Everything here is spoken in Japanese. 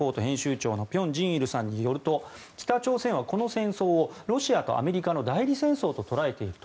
長辺真一さんによると北朝鮮は、この戦争をロシアとアメリカの代理戦争と捉えていると。